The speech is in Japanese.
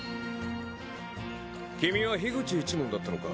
君は樋口一門だったのか。